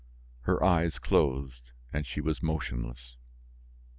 Her eyes closed and she was motionless.